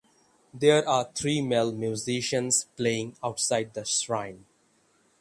There are three male musicians playing outside the shrine.